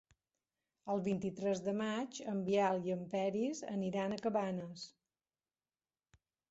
El vint-i-tres de maig en Biel i en Peris aniran a Cabanes.